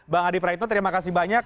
bang adi praitno terima kasih banyak